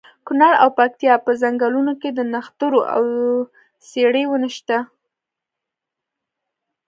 کونړ او پکتیا په ځنګلونو کې د نښترو او څېړۍ ونې شته.